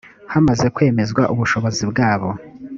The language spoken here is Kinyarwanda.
hamaze kwemezwa ubushobozi bwabo